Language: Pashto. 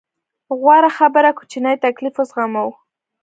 غوره خبره کوچنی تکليف وزغمو.